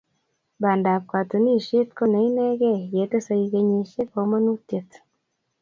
bandab kotunisiet ko ne ineegei, ye tesei kenyisiek komonutiet